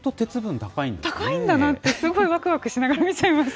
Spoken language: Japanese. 高いんだなって、すごいわくわくしながら見ちゃいました。